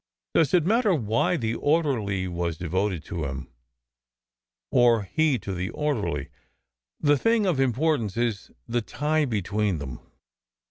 Does it matter why the orderly was devoted to him, or he to the orderly? The thing of importance is the tie between them.